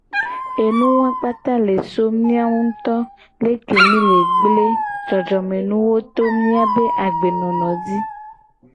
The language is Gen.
Enu wawo kpata le so mia nguto leke mi le gble jojomenuwo to miabe agbenonowo ji.